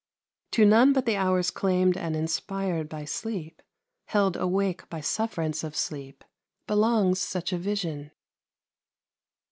To none but the hours claimed and inspired by sleep, held awake by sufferance of sleep, belongs such a vision.